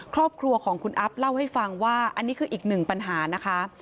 ครอบครัวของคุณอัพเล่าให้ฟังว่าอันนี้คืออีกหนึ่งปัญหานะคะ